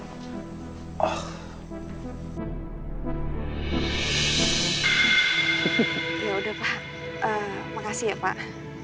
makasih ya pak